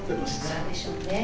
そうでしょうね。